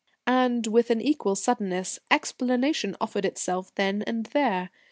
And, with an equal suddenness, explanation offered itself then and there.